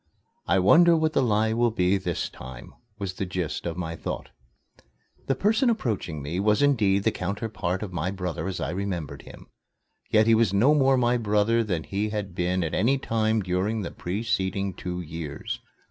"I wonder what the lie will be this time," was the gist of my thoughts. The person approaching me was indeed the counterpart of my brother as I remembered him. Yet he was no more my brother than he had been at any time during the preceding two years.